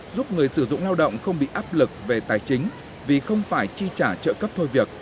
giúp người sử dụng lao động không bị áp lực về tài chính vì không phải chi trả trợ cấp thôi việc